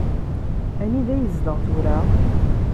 Anida yezdeɣ tura?